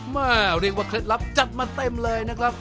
เรียกว่าเคล็ดลับจัดมาเต็มเลยนะครับ